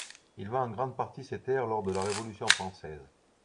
Il vend en grande partie ses terres lors de la Révolution française.